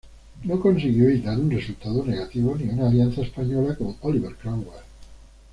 No consiguió evitar un resultado negativo, ni una alianza antiespañola con Oliver Cromwell.